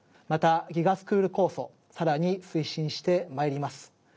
またＧＩＧＡスクール構想をさらに推進してまいります。